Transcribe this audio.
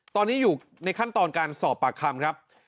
ตอนนี้อยู่ในขั้นตอนการสอบปากคำครับ